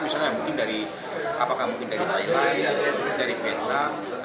misalnya mungkin dari thailand dari vietnam